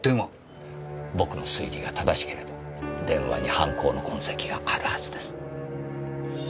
僕の推理が正しければ電話に犯行の痕跡があるはずです。